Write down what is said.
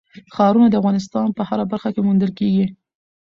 ښارونه د افغانستان په هره برخه کې موندل کېږي.